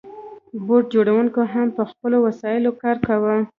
بوټ جوړونکو هم په خپلو وسایلو کار کاوه.